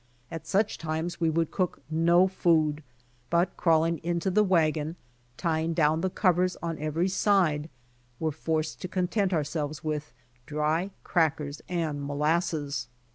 At such times we could cook no food, but crawling into the wagon, tying down the covers 40 TRIALS OP THE SPIRIT 41 on every side, were forced to content ourselves with dry crackers and molasses.